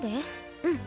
うん。